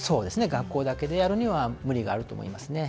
学校だけでやるには無理があると思いますね。